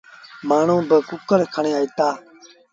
مآڻهوٚݩ با ڪُڪڙ کڻي آئيٚتآ۔